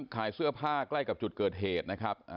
ขายเสื้อผ้าใกล้กับจุดเกิดเหตุนะครับ